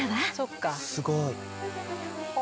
すごい。